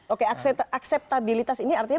oke akseptabilitas ini artinya